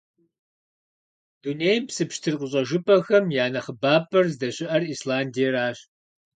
Дунейм псы пщтыр къыщӀэжыпӀэхэм я нэхъыбапӀэр здэщыӀэр Исландиеращ.